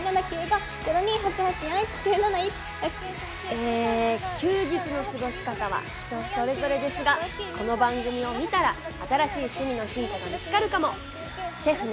え休日の過ごし方は人それぞれですがこの番組を見たら新しい趣味のヒントが見つかるかも。